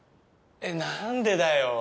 えっなんでだよ。